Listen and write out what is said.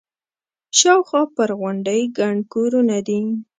شاوخوا پر غونډۍ ګڼ کورونه دي.